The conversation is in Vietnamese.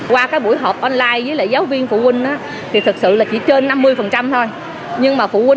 qua buổi họp online với giáo viên phụ huynh thì thật sự chỉ trên năm mươi thôi